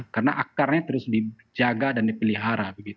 karena akarnya terus dijaga dan dipelihara